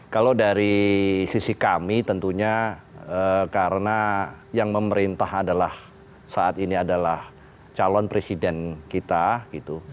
kalau dari sisi kami tentunya karena yang memerintah adalah saat ini adalah calon presiden kita gitu